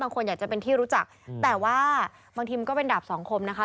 บางคนอยากจะเป็นที่รู้จักแต่ว่าบางทีมันก็เป็นดาบสองคมนะคะ